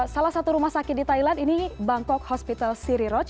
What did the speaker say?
salah satu rumah sakit di thailand ini bangkok hospital siriroch